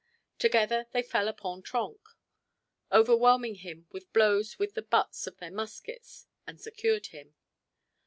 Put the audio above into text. Together they fell upon Trenck, overwhelming him with blows with the butts of their muskets and secured him.